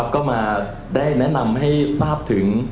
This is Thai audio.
ก็มาได้แนะนำให้ทราบถึง